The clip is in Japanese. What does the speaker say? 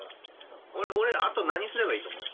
俺あと何すればいいと思う？